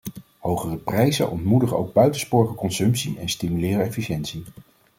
Hogere prijzen ontmoedigen ook buitensporige consumptie en stimuleren efficiëntie.